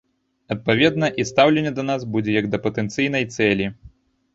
Адпаведна, і стаўленне да нас будзе як да патэнцыйнай цэлі.